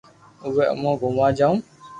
اووي امو گوموا جاوُ